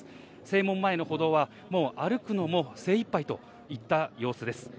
正門前の歩道は、もう歩くのもせいいっぱいといった様子です。